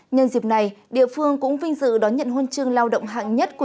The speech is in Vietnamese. nhân dịp này địa phương cũng vinh dự đón nhận hôn trương lao động hạng nhất